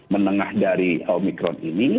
menengah dari omikron ini